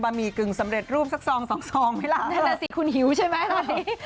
บะหมี่กึ่งสำเร็จรูปสักซองสองซองไหมล่ะ